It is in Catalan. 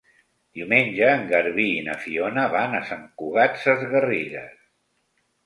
Diumenge en Garbí i na Fiona van a Sant Cugat Sesgarrigues.